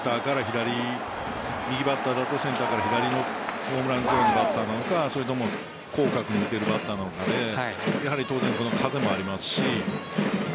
右バッターならセンターから左のホームランゾーンのバッターなのか広角に打てるバッターなのかで当然、風もありますし。